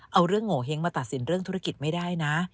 เอาเรื่องโงเห้งมาตัดสินเรื่องธุรกิจไม่ได้นะ